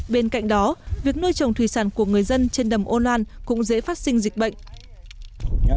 bên cạnh đó việc nuôi trồng thủy sản của người dân trên đầm âu loan cũng dễ phát sinh dịch bệnh